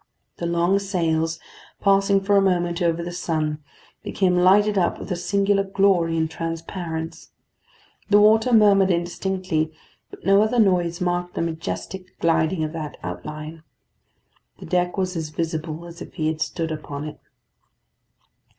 The long sails, passing for a moment over the sun, became lighted up with a singular glory and transparence. The water murmured indistinctly; but no other noise marked the majestic gliding of that outline. The deck was as visible as if he had stood upon it.